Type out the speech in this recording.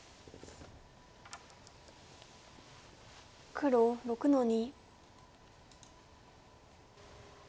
黒６の二。